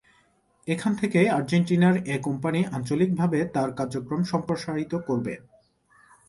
এখান থেকেই আর্জেন্টিনার এ কোম্পানি আঞ্চলিকভাবে তার কার্যক্রম সম্প্রসারিত করবে।